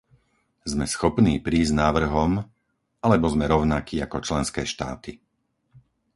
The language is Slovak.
Sme schopní prísť s návrhom alebo sme rovnakí ako členské štáty?